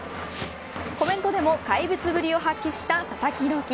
コメントでも怪物ぶりを発揮した佐々木朗希。